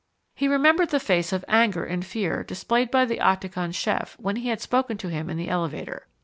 He remembered the face of anger and fear displayed by the Octagon chef when he had spoken to him in the elevator.